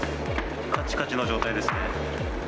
かちかちの状態ですね。